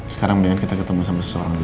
sekarang mendingan kita ketemu sama seseorang